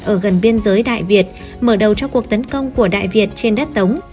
ở gần biên giới đại việt mở đầu cho cuộc tấn công của đại việt trên đất tống